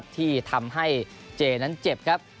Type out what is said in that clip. ที่ทำให้เจนั้นเจ็บครับ